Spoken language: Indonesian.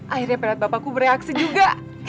akhirnya padat bapakku bereaksi juga